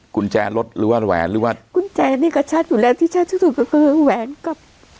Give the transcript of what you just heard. กุญแจรถหรือว่าแหวนหรือว่ากุญแจนี่ก็ชัดอยู่แล้วที่ชัดที่สุดก็คือแหวนกับ